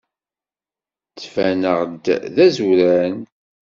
Ttbaneɣ-d d azuran?